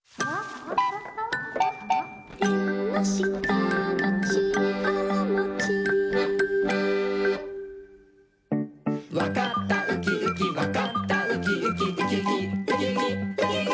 「えんのしたのちからもち」「わかったウキウキわかったウキウキ」「ウキウキウキウキウキウキ」